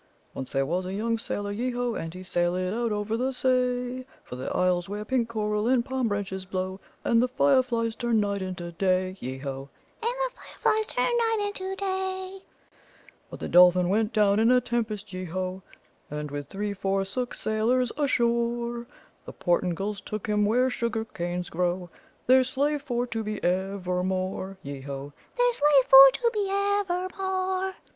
"Once and there was a young sailor, yeo ho! And he sailèd out over the say For the isles where pink coral and palm branches blow, And the fire flies turn night into day, Yeo ho! And the fire flies turn night into day. "But the Dolphin went down in a tempest, yeo ho! And with three forsook sailors ashore, The Portingals took him where sugar canes grow, Their slave for to be evermore, Yeo ho! Their slave for to be evermore.